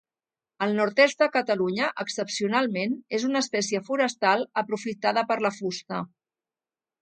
Al nord-est de Catalunya, excepcionalment, és una espècie forestal aprofitada per la fusta.